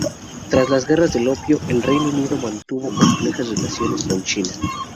Tras las Guerras del Opio, el Reino Unido mantuvo unas complejas relaciones con China.